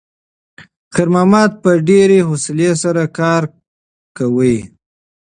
خیر محمد په ډېرې حوصلې سره کار کاوه.